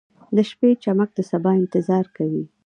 • د شپې چمک د سبا انتظار کوي.